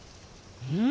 うん。